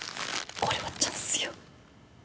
これはチャンスよ。